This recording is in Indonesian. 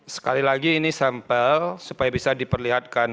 sekali lagi ini sampel supaya bisa diperlihatkan